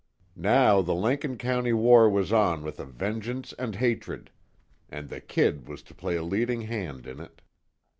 Now the Lincoln County war was on with a vengeance and hatred, and the "Kid" was to play a leading hand in it.